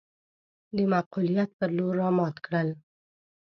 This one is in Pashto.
د معقوليت پر لور رامات کړل.